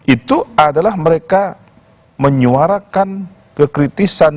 itu adalah mereka menyuarakan kekritisan